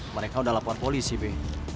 mereka udah laporan polisi be